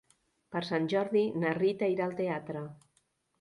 Per Sant Jordi na Rita irà al teatre.